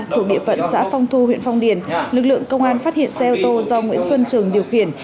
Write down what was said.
thuộc địa phận xã phong thu huyện phong điền lực lượng công an phát hiện xe ô tô do nguyễn xuân trường điều khiển